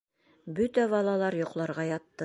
Бөтә балалар йоҡларға ятты.